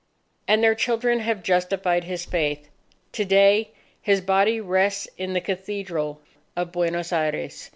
And their children have justified his faith. To day, his body rests in the Cathedral of Buenos Aires.